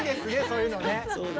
そういうのね。